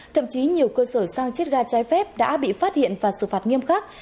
thậm chí nhiều cơ sở sang chiếc ga trái phép đã bị phát hiện và xử phạt nghiêm khắc